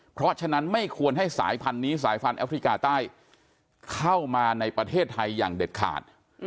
เพราะฉะนั้นไม่ควรให้สายพันธุ์นี้สายพันธแอฟริกาใต้เข้ามาในประเทศไทยอย่างเด็ดขาด